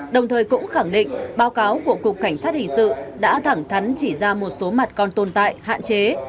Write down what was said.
đồng thời cũng khẳng định báo cáo của cục cảnh sát hình sự đã thẳng thắn chỉ ra một số mặt còn tồn tại hạn chế